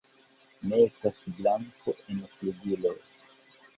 Ne estas blanko en flugiloj.